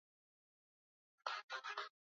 Kanisa ni maana pa kumuabudu Mungu